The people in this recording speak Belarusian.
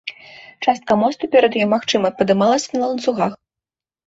Частка моста перад ёй, магчыма, падымалася на ланцугах.